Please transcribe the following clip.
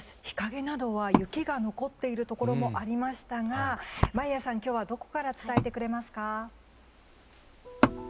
日陰などは雪が残っているところもありましたが眞家さん、今日はどこから伝えてくれますか？